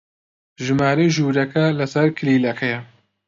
ژمارەی ژوورەکە لەسەر کلیلەکەیە.